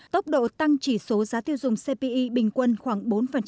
tốc độ tăng chỉ số giá tiêu dùng cpi bình quân khoảng bốn